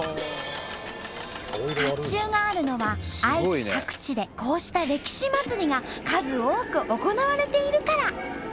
甲胄があるのは愛知各地でこうした歴史祭りが数多く行われているから。